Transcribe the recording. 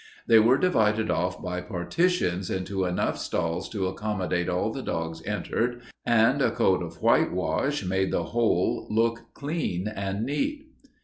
These were divided off by partitions into enough stalls to accommodate all the dogs entered, and a coat of whitewash made the whole look clean and neat.